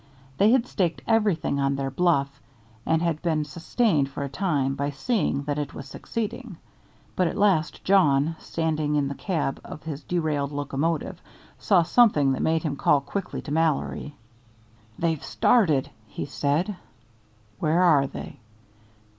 They had staked everything on their bluff and had been sustained for a time by seeing that it was succeeding. But at last Jawn, standing in the cab of his derailed locomotive, saw something that made him call quickly to Mallory. "They've started," he said. "Where are they?"